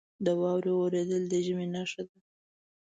• د واورې اورېدل د ژمي نښه ده.